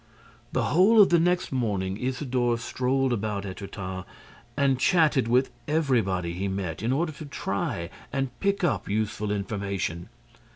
The whole of the next morning, Isidore strolled about Étretat and chatted with everybody he met, in order to try and pick up useful information.